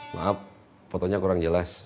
maaf fotonya kurang jelas